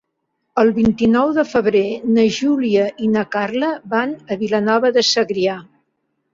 El vint-i-nou de febrer na Júlia i na Carla van a Vilanova de Segrià.